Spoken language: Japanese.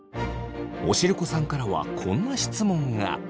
おしるこさんからはこんな質問が。